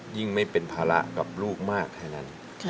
ยิ่งไม่เป็นภาระกับลูกมากแค่นั้น